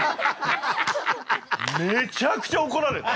めちゃくちゃおこられた。